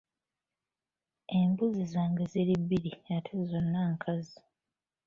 Embuzi zange ziri bbiri ate zonna nkazi.